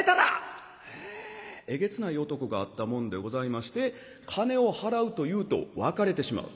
えげつない男があったもんでございまして金を払うと言うと別れてしまう。